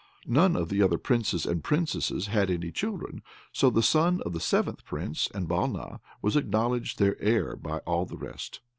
None of the other Princes and Princesses had any children, so the son of the seventh Prince and Balna was acknowledged their heir by all the rest.